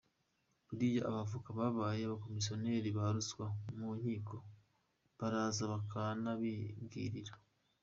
Buriya abavoka babaye abakomisiyoneri ba ruswa mu nkiko, baraza bakanabibwirira.